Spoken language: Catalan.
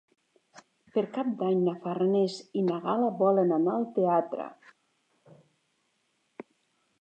Per Cap d'Any na Farners i na Gal·la volen anar al teatre.